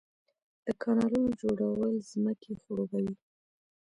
د کانالونو جوړول ځمکې خړوبوي